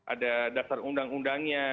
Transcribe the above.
ada dasar undang undangnya